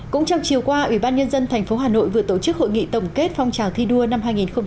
cũng trong chiều qua ủy ban nhân dân tp hà nội vừa tổ chức hội nghị tổng kết phong trào thi đua năm hai nghìn một mươi chín